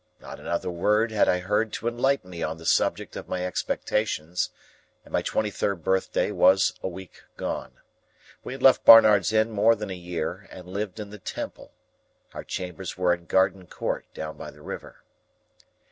Not another word had I heard to enlighten me on the subject of my expectations, and my twenty third birthday was a week gone. We had left Barnard's Inn more than a year, and lived in the Temple. Our chambers were in Garden court, down by the river.